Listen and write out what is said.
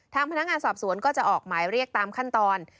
พนักงานสอบสวนก็จะออกหมายเรียกตามขั้นตอน